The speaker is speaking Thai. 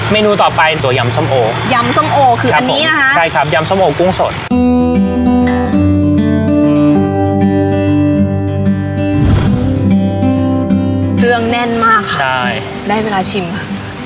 เครื่องแน่นมากค่ะใช่ได้เวลาชิมค่ะ